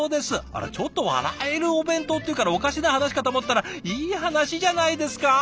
あら「ちょっと笑えるお弁当」っていうからおかしな話かと思ったらいい話じゃないですか！